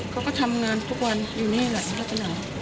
เขาก็ทำงานทุกวันอยู่นี่แหละน่าจะหน่า